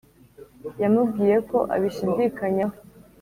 yamubwiye ko abishidikanyaho